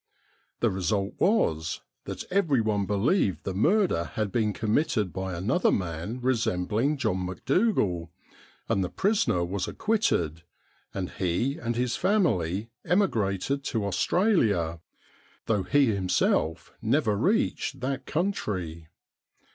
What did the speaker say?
The result was that everyone believed the murder had been committed by another man resembling John Macdougal, and the prisoner was acquitted, and he and his family emigrated to Australia, though he himself never reached that country.